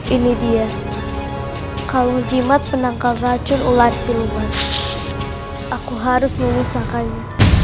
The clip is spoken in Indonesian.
ini dia kalau jimat penangkal racun ular siluman aku harus menulis nakalnya